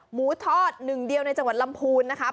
หมูทอดหนึ่งเดียวในจังหวัดลำพูนนะครับ